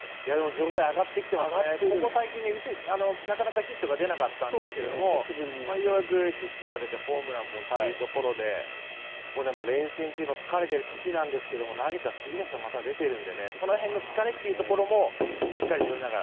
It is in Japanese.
状態上がってきてますね最近打ててなかったんですがようやくヒットが出てホームランもというところで連戦中の疲れてるところですが投げた次の日からまた出てるのでその辺の疲れもしっかり取りながら。